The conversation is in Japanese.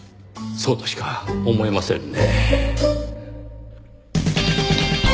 そうとしか思えませんね。